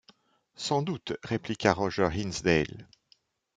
Sans doute, répliqua Roger Hinsdale.